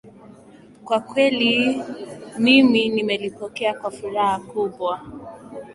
kwa kweli mimi nimelipokea kwa furaha kubwa